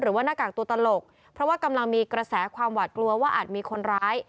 หน้ากากตัวตลกเพราะว่ากำลังมีกระแสความหวาดกลัวว่าอาจมีคนร้าย